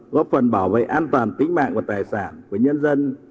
góp phần bảo vệ an toàn tính mạng và tài sản của nhân dân